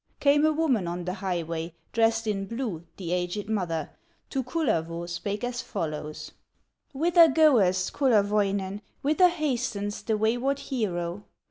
Came a woman on the highway, Dressed in blue, the aged mother, To Kullervo spake as follows: "Whither goest, Kullerwoinen, Whither hastes the wayward hero?"